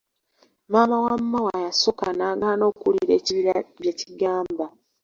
Maama wa Maawa yasooka n'agaana okuwulira ekibira byekigamba